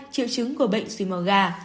hai triệu chứng của bệnh suối màu gà